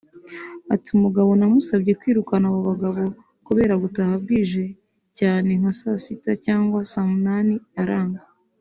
Ati “Umugabo namusabye kwirukana abo bagabo kubera gutaha bwije cyane nka saa Sita cyangwa saa Nunani aranga